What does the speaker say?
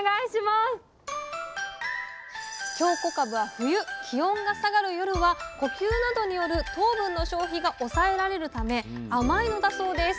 京こかぶは冬気温が下がる夜は呼吸などによる糖分の消費が抑えられるため甘いのだそうです。